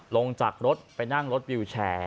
ลงจากรถไปนั่งรถวิวแชร์